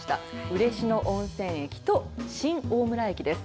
嬉野温泉駅と、新大村駅です。